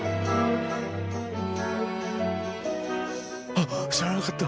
あっ知らなかった！